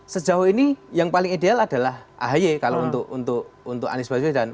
sejauh ini yang paling ideal adalah ahy kalau untuk anies baswedan